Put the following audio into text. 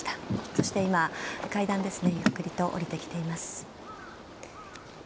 そして今、階段をゆっくりと下りてきています。